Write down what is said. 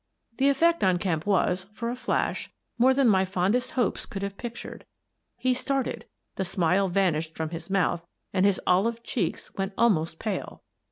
The effect on Kemp was — for a flash — more than my fondest hopes could have pictured. He started, the smile vanished from his mouth, and his olive cheeks went almost pale.